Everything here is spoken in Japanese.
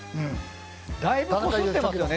だいぶこすってますよね